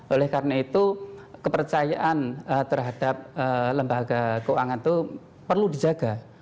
oleh karena itu kepercayaan terhadap lembaga keuangan itu perlu dijaga